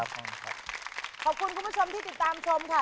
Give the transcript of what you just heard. ขอบคุณคุณผู้ชมที่ติดตามชมค่ะ